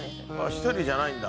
１人じゃないんだ。